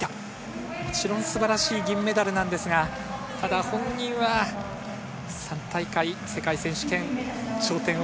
もちろん素晴らしい銀メダルですが、本人は３大会世界選手権頂点を